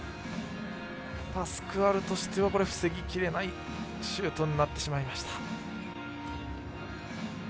パスクアルとしては防ぎきれないシュートになってしまいました。